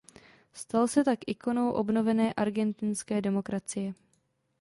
Stal se tak ikonou obnovené argentinské demokracie.